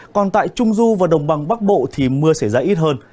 còn tại trung du và đồng bằng bắc bộ thì mưa sẽ ra ít hơn